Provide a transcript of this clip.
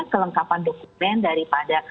kelengkapan dokumen daripada